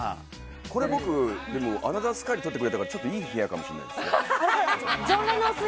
これ、「アナザースカイ」で取ってくれたからちょっといい部屋かもしれないです。